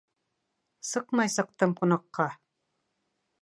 Сыҡмай сыҡтым ҡунаҡҡа